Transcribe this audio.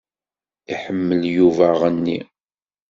Iḥemmel Yuba aɣenni.